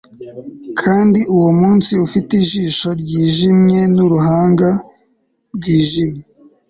Kandi uwo munsi ufite ijisho ryijimye nuruhanga rwijimye